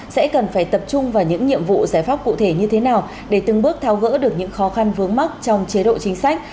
sẽ cần phải tập trung vào những nhiệm vụ giải pháp cụ thể như thế nào để từng bước tháo gỡ được những khó khăn vướng mắc trong chế độ chính sách